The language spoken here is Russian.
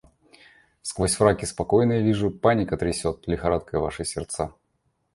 Сквозь фраки спокойные вижу — паника трясет лихорадкой ваши сердца.